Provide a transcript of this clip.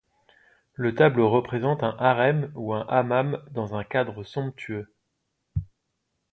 Le tableau représente un harem ou un hammam dans un cadre somptueux.